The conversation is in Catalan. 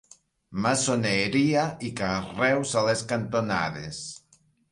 Maçoneria i carreus a les cantonades.